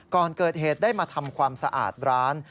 ก่อนเกิดเหตุได้มาทำความสะอาดร้าน